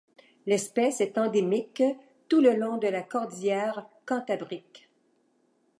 L'espèce est endémique tout le long de la cordillère cantabrique.